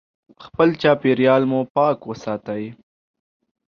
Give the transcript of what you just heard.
خپل چاپیریال مو پاک وساتئ.